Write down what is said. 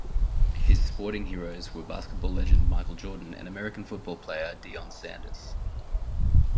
His sporting heroes were basketball legend Michael Jordan and American football player Deion Sanders.